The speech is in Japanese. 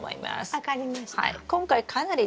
分かりました。